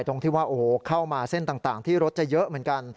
ตรงที่ว่าโอ้โหเข้ามาเส้นต่างที่รถจะเยอะเหมือนกัน